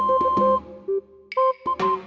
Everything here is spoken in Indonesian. moms udah kembali ke tempat yang sama